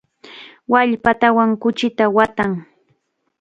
Wallpatawan kuchita waatan.